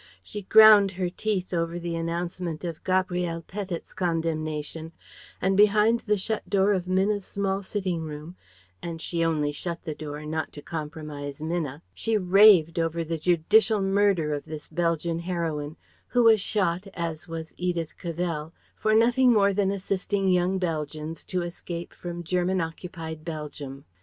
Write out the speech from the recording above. She ground her teeth over the announcement of Gabrielle Petit's condemnation, and behind the shut door of Minna's small sitting room and she only shut the door not to compromise Minna she raved over the judicial murder of this Belgian heroine, who was shot, as was Edith Cavell, for nothing more than assisting young Belgians to escape from German occupied Belgium.